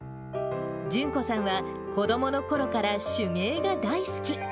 順子さんは子どものころから手芸が大好き。